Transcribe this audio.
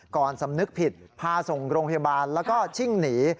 สำนึกผิดพาส่งโรงพยาบาลแล้วก็ชิ่งหนี